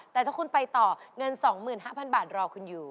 แต่ถ้าคุณไปต่อเงิน๒๕๐๐บาทรอคุณอยู่